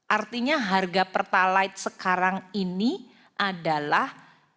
artinya harga pertalite sekarang ini adalah